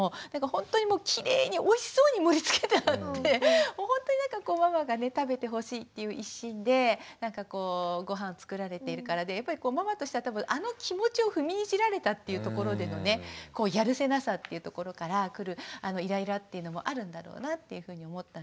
ほんとにきれいにおいしそうに盛りつけてあってほんとにママが食べてほしいっていう一心でなんかこうごはん作られているからでやっぱりママとしては多分あの気持ちを踏みにじられたっていうところでのねやるせなさっていうところから来るイライラっていうのもあるんだろうなっていうふうに思ったんですけども。